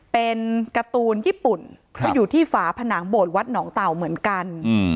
เป็นการ์ตูนญี่ปุ่นก็อยู่ที่ฝาผนังโบสถวัดหนองเต่าเหมือนกัน